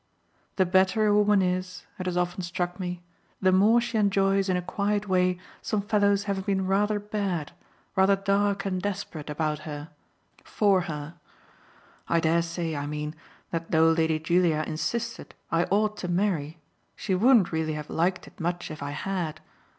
The better a woman is it has often struck me the more she enjoys in a quiet way some fellow's having been rather bad, rather dark and desperate, about her for her. I dare say, I mean, that though Lady Julia insisted I ought to marry she wouldn't really have liked it much if I had.